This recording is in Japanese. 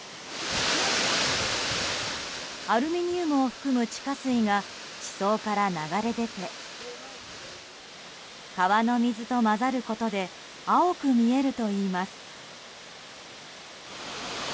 アルミニウムを含む地下水が地層から流れ出て川の水と混ざることで青く見えるといいます。